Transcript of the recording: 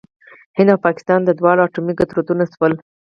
هند او پاکستان دواړه اټومي قدرتونه شول.